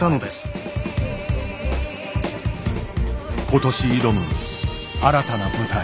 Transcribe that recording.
今年挑む新たな舞台。